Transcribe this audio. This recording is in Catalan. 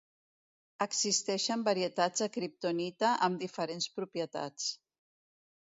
Existeixen varietats de kriptonita amb diferents propietats.